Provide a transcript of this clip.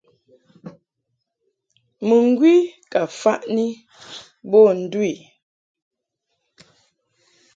Mɨŋgwi ka faʼni bo ndu i.